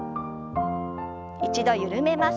一度緩めます。